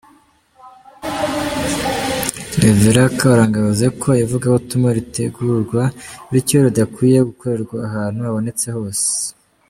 Rev Karuranga yavuze ko ivugabutumwa ritegurwa bityo ridakwiye gukorerwa ahantu habonetse hose.